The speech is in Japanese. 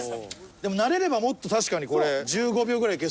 でも慣れればもっと確かにこれ１５秒ぐらいいけそう。